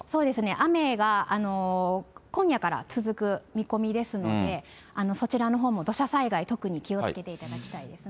雨が今夜から続く見込みですので、そちらのほうも土砂災害、特に気をつけていただきたいですね。